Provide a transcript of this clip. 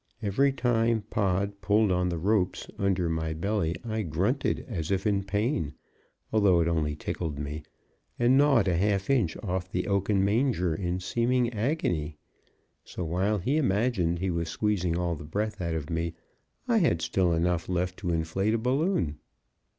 Every time Pod pulled on the ropes under my belly I grunted as if in pain, although it only tickled me, and gnawed a half inch off the oaken manger in seeming agony; so, while he imagined he was squeezing all the breath out of me, I had still enough left to inflate a balloon.